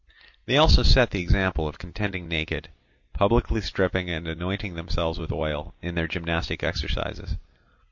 They also set the example of contending naked, publicly stripping and anointing themselves with oil in their gymnastic exercises.